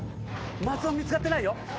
松尾見つかってないよ。